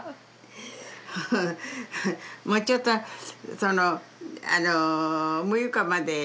もうちょっと６日まで。